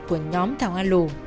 của nhóm thảo hoan lũ